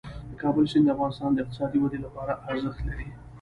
د کابل سیند د افغانستان د اقتصادي ودې لپاره ارزښت لري.